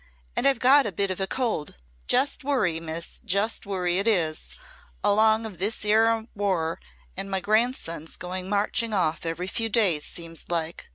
"And I've got a bit of a cold. Just worry, Miss, just worry it is along of this 'ere war and my grandsons going marching off every few days seems like.